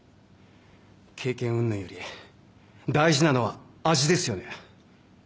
経験うんぬんより大事なのは味ですよね？